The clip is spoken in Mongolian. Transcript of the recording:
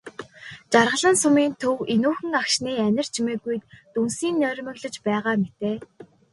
Жаргалан сумын төв энүүхэн агшны анир чимээгүйд дүнсийн нойрмоглож байгаа мэтээ.